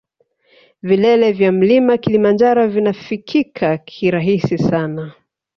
Vilele vya mlima kilimanjaro vinafikika kirahisi sana